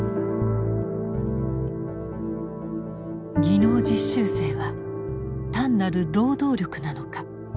技能実習生は単なる労働力なのか。